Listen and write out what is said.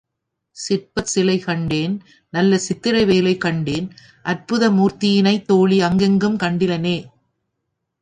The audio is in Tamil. சிற்பச் சிலை கண்டேன் நல்ல சித்திர வேலை கண்டேன் அற்புத மூர்த்தியினைத் தோழி அங்கெங்கும் கண்டிலனே.